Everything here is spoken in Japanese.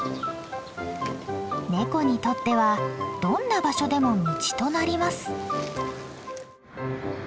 ネコにとってはどんな場所でも道となります。